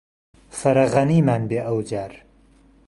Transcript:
فەرەغهنیمان بێ ئهو جار